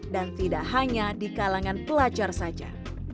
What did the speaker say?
dan tidak hanya di kalangan pelajar saja